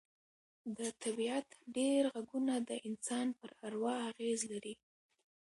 د طبیعت ډېر غږونه د انسان پر اروا اغېز لري